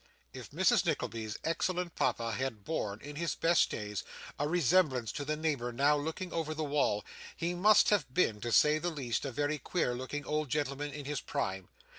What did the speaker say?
If Mrs. Nickleby's excellent papa had borne, in his best days, a resemblance to the neighbour now looking over the wall, he must have been, to say the least, a very queer looking old gentleman in his prime.